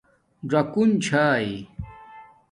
ژَکُن چھائ